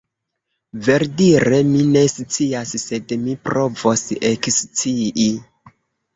Verdire, mi ne scias, sed mi provos ekscii.